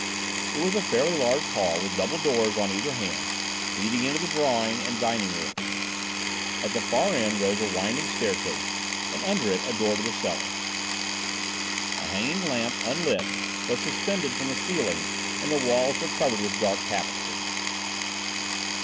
It was a fairly large hall with double doors on either hand, leading into the drawing and dining rooms. At the far end rose a winding staircase, and under it a door to the cellar. A hanging lamp, unlit, was suspended from the ceiling and the walls were covered with dark tapestries.